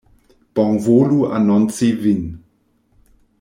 Bonvolu anonci vin.